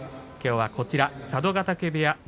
きょうはこちら、佐渡ヶ嶽部屋